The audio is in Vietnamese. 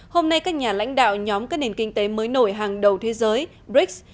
hôm nay các nhà lãnh đạo nhóm các nền kinh tế mới nổi hàng đầu thế giới brics